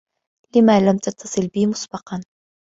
لم لم تتّصل بي مسبّقا؟